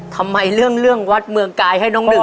ทำไมเรื่องเรื่องวัดเมืองกายให้น้องหนึ่ง